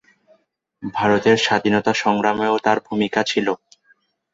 ভারতের স্বাধীনতা-সংগ্রামেও তার ভূমিকা ছিল।